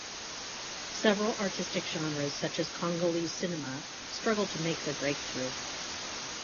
Several artistic genres such as Congolese cinema struggle to make their breakthrough.